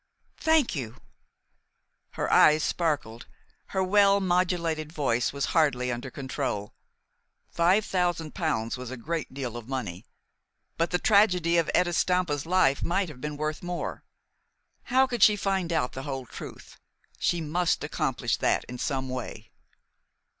"Thank you." Her eyes sparkled. Her well modulated voice was hardly under control. Five thousand pounds was a great deal of money; but the tragedy of Etta Stampa's life might have been worth more. How could she find out the whole truth? She must accomplish that, in some way.